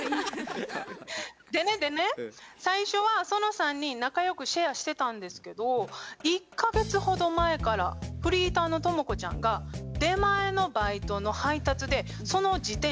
でねでね最初はその３人仲良くシェアしてたんですけど１か月ほど前からフリーターのトモコちゃんが出前のバイトの配達でその自転車を使うようになったんです。